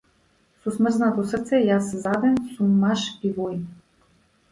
Со смрзнато срце јас заден сум маж и воин.